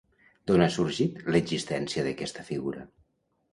D'on ha sorgit l'existència d'aquesta figura?